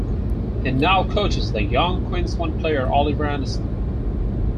He now coaches the young Queensland player Oliver Anderson.